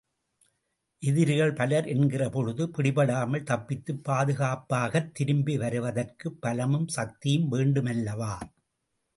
எதிரிகள் பலர் என்கிற பொழுது, பிடிபடாமல் தப்பித்துப் பாதுகாப்பாகத் திரும்பி வருவதற்குப் பலமும், சக்தியும் வேண்டு மல்லவா?